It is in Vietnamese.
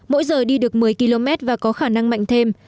mỗi giờ đi được một mươi km và có khả năng mạnh thêm